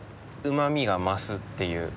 うまみが増すっていう。